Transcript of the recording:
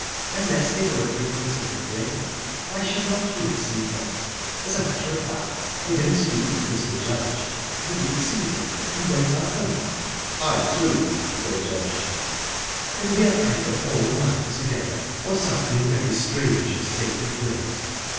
"Unless they were a figment of your brain, why should not we have seen them? As a matter of fact I don't speak for Mr. Judge I did see them, and went up them." "I, too," said Judge. "Then we are either all mad together, or something very strange has taken place.